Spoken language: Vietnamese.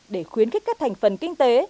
để khuyến khích các thành phần kinh tế